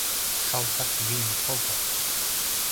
Шалтак йӱын колто!